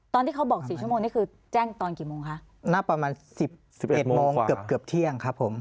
ตอนที่เขาบอกสี่ชั่วโมงนี่คือแจ้งตอนกี่โมงคะหน้าประมาณสิบสิบเอ็ดโมงเกือบเกือบเที่ยงครับผม